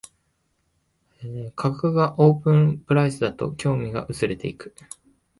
価格がオープンプライスだと興味が薄れていく